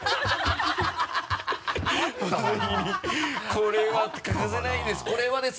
これは欠かせないです